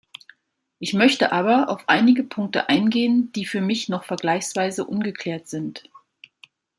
Ich möchte aber auf einige Punkte eingehen, die für mich noch vergleichsweise ungeklärt sind.